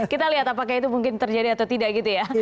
kita lihat apakah itu mungkin terjadi atau tidak gitu ya